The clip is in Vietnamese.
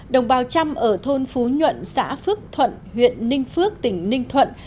đồng bào trăm ở thôn phú nhuận xã phước thuận huyện ninh phước tỉnh ninh thuận